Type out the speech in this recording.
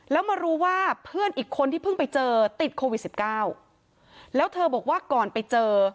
แล้วมารู้ว่าเพื่อนอีกคนที่เพิ่งไปเจอติดโควิดสิบเก้าแล้วเธอบอกว่าก่อนไปเจอ